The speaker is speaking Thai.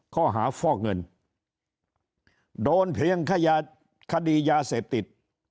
ข้อหาฟอกเงินโดนเพียงคดียาเสพติด